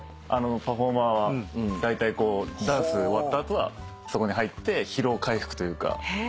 パフォーマーはだいたいこうダンス終わった後はそこに入って疲労回復というか。